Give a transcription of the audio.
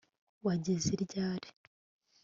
wageze ryari